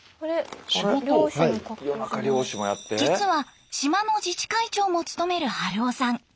実は島の自治会長も務める春生さん。